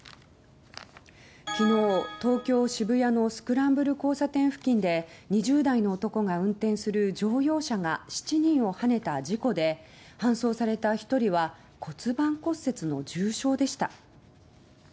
昨日、東京・渋谷のスクランブル交差点付近で２０代の男が運転する乗用車が７人をはねた事故で搬送された１人は骨盤骨折の重傷でした。